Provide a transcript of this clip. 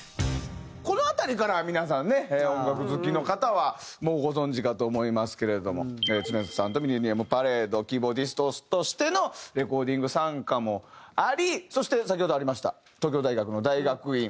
この辺りからは皆さんね音楽好きの方はもうご存じかと思いますけれども常田さんとｍｉｌｌｅｎｎｉｕｍｐａｒａｄｅキーボーディストとしてのレコーディング参加もありそして先ほどありました東京大学の大学院。